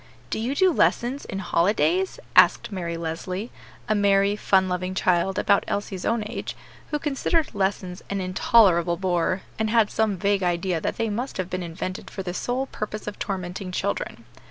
"Do you do lessons in holidays?" asked Mary Leslie, a merry, fun loving child, about Elsie's own age, who considered lessons an intolerable bore, and had some vague idea that they must have been invented for the sole purpose of tormenting children.